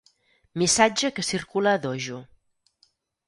Missatge que circula a dojo.